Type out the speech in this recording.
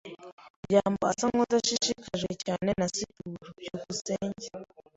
byambo asa nkudashishikajwe cyane na siporo. byukusenge